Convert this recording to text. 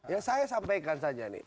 ya saya sampaikan saja nih